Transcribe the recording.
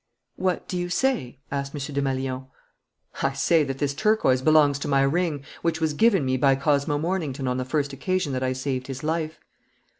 "What do you say?" asked M. Desmalions. "I say that this turquoise belongs to my ring, which was given me by Cosmo Mornington on the first occasion that I saved his life."